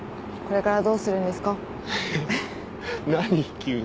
急に。